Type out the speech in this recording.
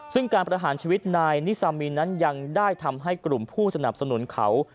ซึ่งการประหารชีวิตนายนิซามีนนั้นยังได้ทำให้กลุ่มผู้สนับสนุนเขา